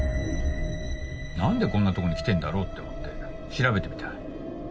何でこんなとこに来てんだろうって思って調べてみた。